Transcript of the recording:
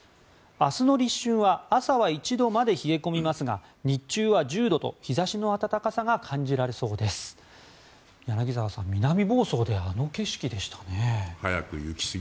明日の立春は朝は１度まで冷え込みますが日中は１０度と日差しの暖かさが感じられそうです。